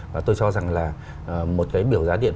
và tôi cho rằng là một cái biểu giá điện